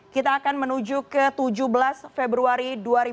kita akan menuju ke tujuh belas februari dua ribu dua puluh